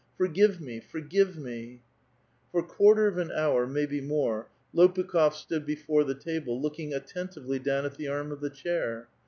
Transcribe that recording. Forgive me ! forgive me !" For quarter of an hour, maybe more, Lopulvh6f stood be fore the table, looking attentively down at the arm of the chair.